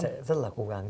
sẽ rất là cố gắng